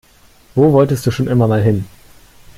Wo wolltest du schon immer mal hin?